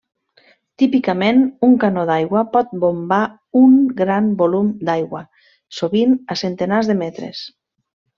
Típicament, un canó d'aigua pot bombar un gran volum d'aigua, sovint a centenars de metres.